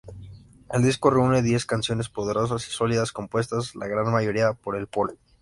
El disco reúne diez canciones poderosas y sólidas compuestas la gran mayoría por Pol.